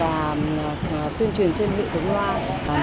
và tuyên truyền trên hệ thống loa